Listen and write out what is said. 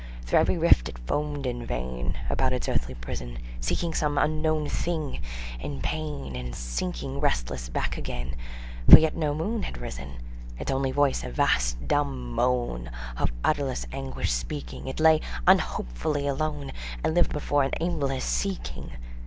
Through every rift it foamed in vain, About its earthly prison, Seeking some unknown thing in pain, And sinking restless back again, For yet no moon had risen: Its only voice a vast dumb moan, Of utterless anguish speaking, It lay unhopefully alone, And lived but in an aimless seeking.